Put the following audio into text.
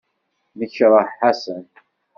Nekṛeh Ḥasan.